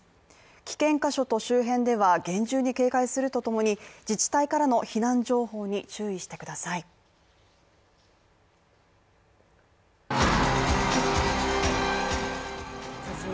危険箇所と周辺では厳重に警戒するとともに、自治体からの避難情報に注意してください。